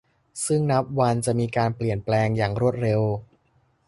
ซึ่งนับวันจะมีการเปลี่ยนแปลงอย่างรวดเร็ว